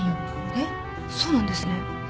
えっそうなんですね。